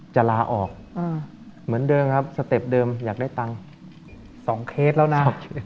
ลาออกเหมือนเดิมครับสเต็ปเดิมอยากได้ตังค์๒เคสแล้วนะ